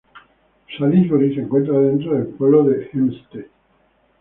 Salisbury se encuentra dentro del pueblo de Hempstead.